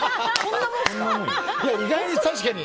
意外に確かに。